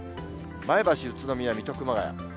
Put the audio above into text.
前橋、宇都宮、水戸、熊谷。